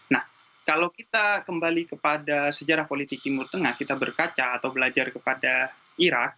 nah kalau kita kembali kepada sejarah politik timur tengah kita berkaca atau belajar kepada irak